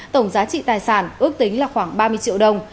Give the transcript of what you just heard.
tổng giá trị tài sản ước tính là khoảng ba mươi triệu đồng